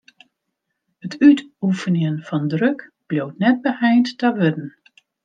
It útoefenjen fan druk bliuwt net beheind ta wurden.